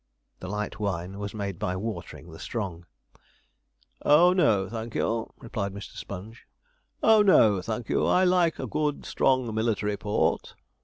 The light wine was made by watering the strong. 'Oh no, thank you,' replied Mr. Sponge, 'oh no, thank you. I like good strong military port.'